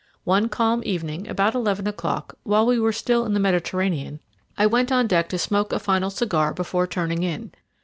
One calm evening, about eleven o'clock, while we were still in the Mediterranean, I went on deck to smoke a final cigar before turning in.